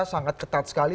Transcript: sangat ketat sekali